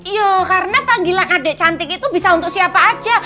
ya karena panggilan adik cantik itu bisa untuk siapa